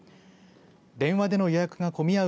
電話での予約が混み合う